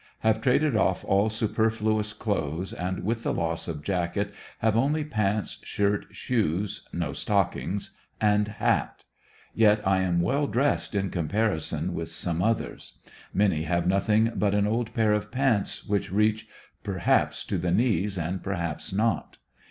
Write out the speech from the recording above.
Have traded off all superfluous clothes, and with the loss of jacket have only pants, shirt, shoes, (no stockings,) and hat; yet I am well dressed in comparison with some others, many have nothing but an old pair of pants which reach, perhaps, to the knees, and perhaps not.